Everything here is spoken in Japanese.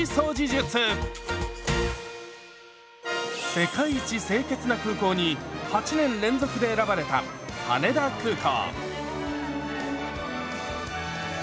「世界一清潔な空港」に８年連続で選ばれた羽田空港。